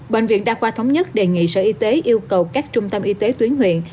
bệnh viện đa khoa thống nhất đề nghị sở y tế yêu cầu các trung tâm y tế tuyến huyện